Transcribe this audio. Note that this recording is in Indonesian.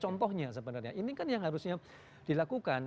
contohnya sebenarnya ini kan yang harusnya dilakukan